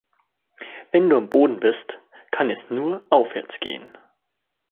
Wenn du am Boden bist, kann es nur aufwärts gehen.